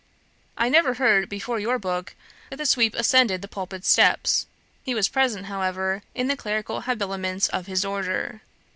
I never heard before your book that the sweep ascended the pulpit steps. He was present, however, in the clerical habiliments of his order